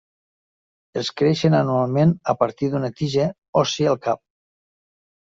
Els creixen anualment a partir d'una tija òssia al cap.